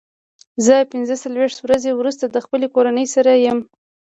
زه پنځه څلوېښت ورځې وروسته د خپلې کورنۍ سره یم.